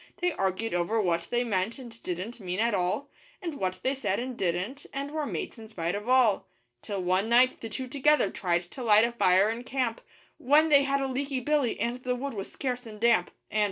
They argued over what they meant and didn't mean at all, And what they said and didn't and were mates in spite of all. Till one night the two together tried to light a fire in camp, When they had a leaky billy and the wood was scarce and damp. And